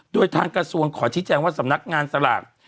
โดยทางกระทรวงขอชี้แจงว่าสำนักงานสลาก